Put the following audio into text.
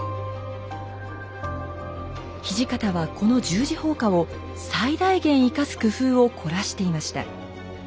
土方はこの十字砲火を最大限生かす工夫を凝らしていました。